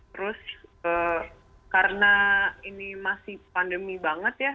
terus karena ini masih pandemi banget ya